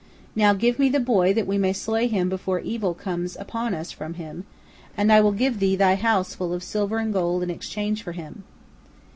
Now give me the boy, that we may slay him before evil comes upon us from him, and I will give thee thy house full of silver and gold in exchange for him."